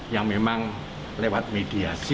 yang memang lewat mediasi